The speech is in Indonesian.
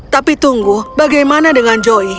tapi tunggu bagaimana dengan joy